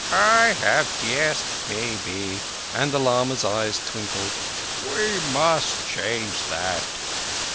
"I have guessed maybe," and the lama's eyes twinkled. "We must change that."